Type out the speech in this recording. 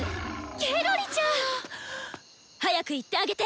ケロリちゃん！早く行ってあげて！